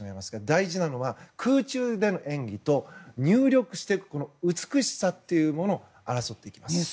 大事なのは、空中での演技と入水していく美しさというものを争っていきます。